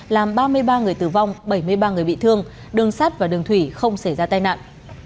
làm ba mươi ba người tử vong bảy mươi ba người bị thương đường sắt và đường thủy không xảy ra tai nạn